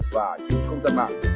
và truyền công dân mạng